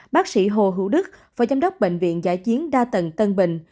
bác sĩ hồ hữu đức phó giám đốc bệnh viện giã chiến đa tầng tân bình